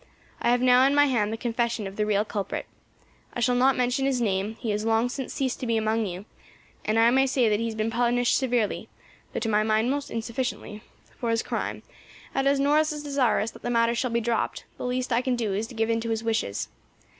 I have now in my hand the confession of the real culprit. I shall not mention his name; he has long since ceased to be among you, and I may say that he has been punished severely, though to my mind most insufficiently, for his crime, and as Norris is desirous that the matter shall be dropped, the least I can do is to give in to his wishes.